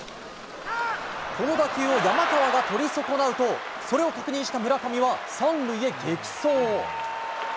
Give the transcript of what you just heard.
この打球を山川が捕り損なうと、それを確認した村上は３塁へ激走。